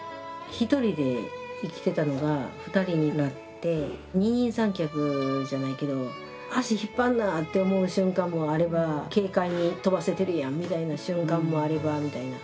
１人で生きてたのが２人になって二人三脚じゃないけど「足引っ張んな」って思う瞬間もあれば「軽快に飛ばせてるやん」みたいな瞬間もあればみたいな。